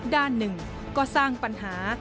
ด้านหนึ่งก็สร้างปัญหา